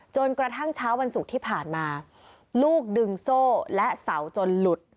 จนกระทั่งเช้าวันศุกร์ที่ผ่านมาลูกดึงโซ่และเสาจนหลุด